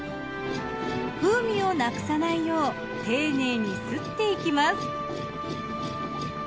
風味をなくさないよう丁寧にすっていきます。